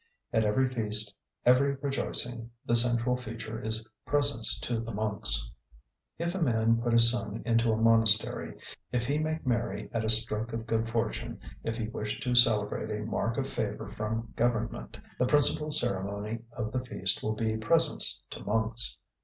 At every feast, every rejoicing, the central feature is presents to the monks. If a man put his son into a monastery, if he make merry at a stroke of good fortune, if he wish to celebrate a mark of favour from government, the principal ceremony of the feast will be presents to monks.